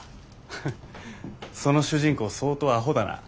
フッその主人公相当アホだな。